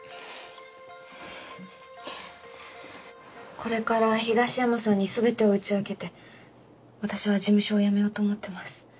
これから東山さんにすべてを打ち明けて私は事務所を辞めようと思ってます。